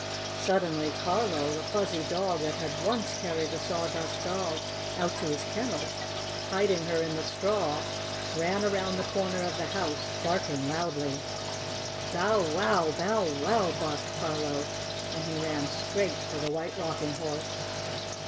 Suddenly Carlo, the fuzzy dog that had once carried the Sawdust Doll out to his kennel, hiding her in the straw, ran around the corner of the house, barking loudly. "Bow wow! Bow wow!" barked Carlo, and he ran straight for the White Rocking Horse.